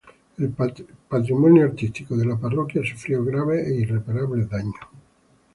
El patrimonio artístico de la parroquia sufrió graves e irreparables daños.